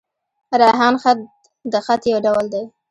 ریحان خط؛ د خط يو ډول دﺉ.